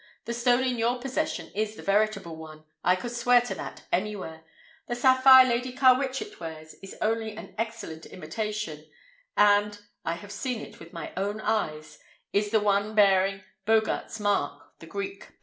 The stone in your possession is the veritable one. I could swear to that anywhere. The sapphire Lady Carwitchet wears is only an excellent imitation, and—I have seen it with my own eyes—is the one bearing Bogaerts's mark, the Greek Beta."